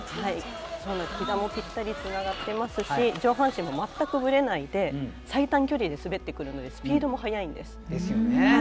ひざもぴったりつながってますし上半身も全くぶれないで最短距離で滑ってくるのでスピードも速いんです。